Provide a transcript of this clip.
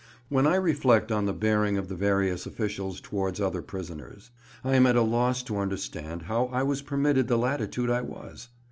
When I reflect on the bearing of the various officials towards other prisoners, I am at a loss to understand how I was permitted the latitude I was.